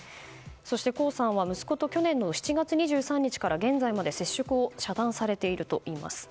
そして、江さんは息子と去年の７月２３日から現在まで接触を遮断されているといいます。